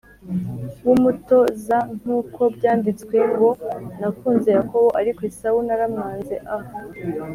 w umuto z Nk uko byanditswe ngo nakunze Yakobo ariko Esawu naramwanze a